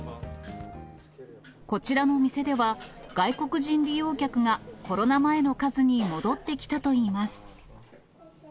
こちらの店では、外国人利用客がコロナ前の数に戻ってきたといいます。